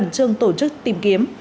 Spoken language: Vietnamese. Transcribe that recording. trường tổ chức tìm kiếm